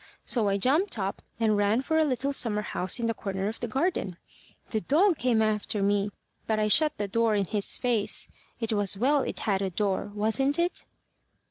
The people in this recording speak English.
So I jumped up, and ran for a little summer house in the corner of the garden. The dog came after me, but I shut the door in his face. It was well it had a door wasn't it?"